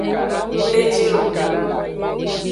Ng le ji lo.